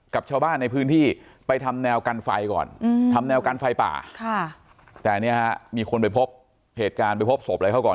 กับชาวบ้านในพื้นที่ไปทำแนวกันไฟก่อนทำแนวกันไฟป่าแต่เนี่ยฮะมีคนไปพบเหตุการณ์ไปพบศพอะไรเขาก่อน